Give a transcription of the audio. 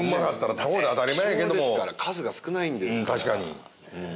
確かに。